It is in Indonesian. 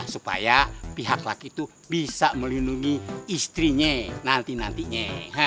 supaya pihak laki itu bisa melindungi istrinya nanti nantinya